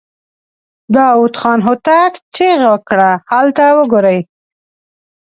داوود خان هوتک چيغه کړه! هلته وګورئ!